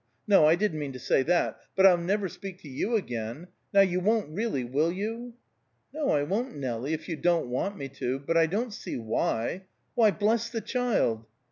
No, I didn't mean to say that. But I'll never speak to you again. Now you won't really, will you?" "No, I won't, Nelie, if you don't want me to; but I don't see why Why, bless the child!"